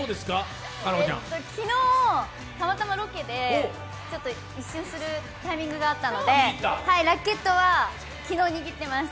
昨日たまたまロケで練習するタイミングがあったのでラケットは昨日握ってます。